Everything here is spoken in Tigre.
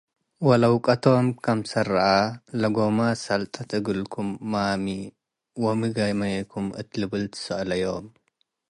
ወለውቀቶም ክምሰል ረአ፤ “ለጎማት ሰልጠት እልኩም ማሚ? ወሚ ገሜኩም?" እት ልብል ትሰአለዮም።